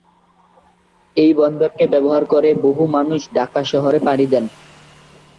এই বন্দরকে ব্যবহার করে বহু মানুষ ঢাকা শহরে পাড়ি দেন।